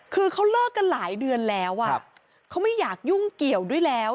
คือเขาเลิกกันหลายเดือนแล้วเขาไม่อยากยุ่งเกี่ยวด้วยแล้ว